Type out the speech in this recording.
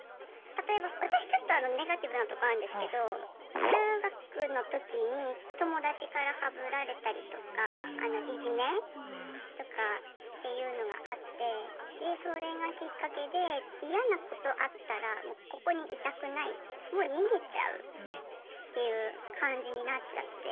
例えば私ちょっとネガティブなとこあるんですけど中学の時に友達からハブられたりとかいじめとかっていうのがあってでそれがきっかけで嫌なことあったらもうここにいたくないもう逃げちゃうっていう感じになっちゃって。